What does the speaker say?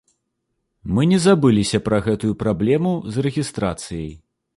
Мы не забыліся пра гэтую праблему з рэгістрацыяй.